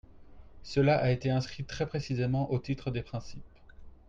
Cela a été inscrit très précisément au titre des principes.